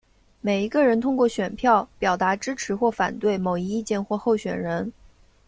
每一个人通过选票表达支持或反对某一意见或候选人。